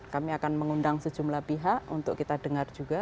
kami akan mengundang sejumlah pihak untuk kita dengar juga